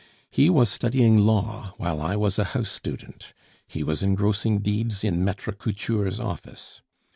He was studying law while I was a house student, he was engrossing deeds in Maitre Couture's office.